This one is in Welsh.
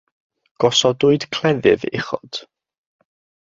Gosodwyd cleddyf uchod.